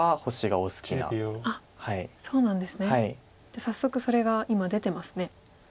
じゃあ早速それが今出てますね。